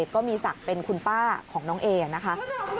ก็มีศักดิ์เป็นคุณป้าของน้องเอนะคะ